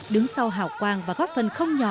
đứng sau hào quang và góp phần không nhỏ